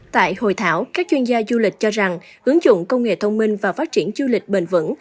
tại hội thảo các chuyên gia du lịch cho rằng ứng dụng công nghệ thông minh và phát triển du lịch bền vững